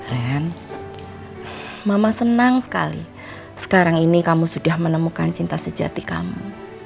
ren mama senang sekali sekarang ini kamu sudah menemukan cinta sejati kamu